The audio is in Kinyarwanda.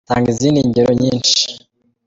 tanga izindi ngero nyinshi.